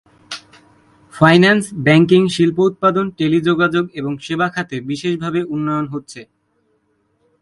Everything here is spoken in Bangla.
ফাইন্যান্স, ব্যাংকিং, শিল্পোৎপাদন, টেলিযোগাযোগ এবং সেবা খাতে বিশেষভাবে উন্নয়ন হচ্ছে।